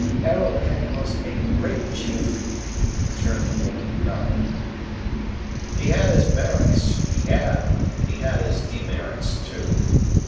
"Arrowhead was a great chief," returned the woman proudly. "He had his merits, he had; and he had his demerits, too.